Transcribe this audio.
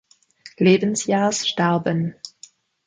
Lebensjahrs starben.